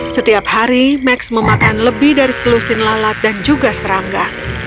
setiap hari max memakan lebih dari selusin lalat dan juga serangga